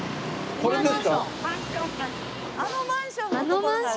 あのマンションの所が。